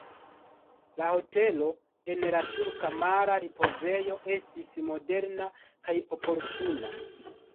La hotelo en la turka mara ripozejo estis moderna kaj oportuna.